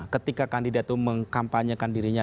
ketika kandidat itu mengkampanyekan dirinya